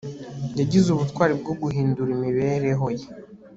yagize ubutwari bwo guhindura imibereho ye